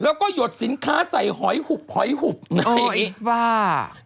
แล้วก็หยดสินค้าใส่หอยหุบไหนโอ๊ยว่า